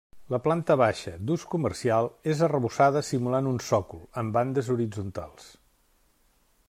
La planta baixa, d'ús comercial, és arrebossada simulant un sòcol, amb bandes horitzontals.